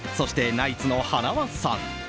そして、ナイツの塙さん。